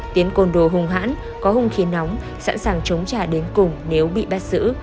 tiến côn đồ hung hãn có hung khiến nóng sẵn sàng chống trả đến cùng nếu bị bắt giữ